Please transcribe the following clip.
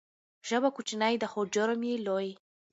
ژبه کوچنۍ ده خو جرم یې لوی.